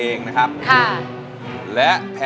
เพลงนี้ที่๕หมื่นบาทแล้วน้องแคน